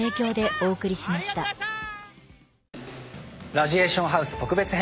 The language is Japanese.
『ラジエーションハウス』特別編